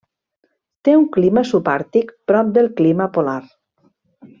Té un clima subàrtic prop del clima polar.